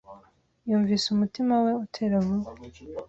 Yumvise umutima we utera vuba.